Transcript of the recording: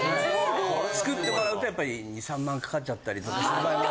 作ってもらうとやっぱり。かかっちゃったりするんで。